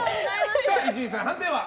伊集院さん、判定は？